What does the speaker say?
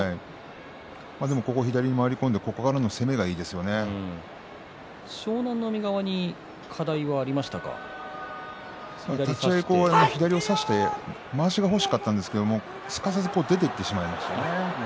でも左に回り込んで湘南乃海側に立ち合い左を差してまわしが欲しかったんですがすかさず出ていってしまいましたね。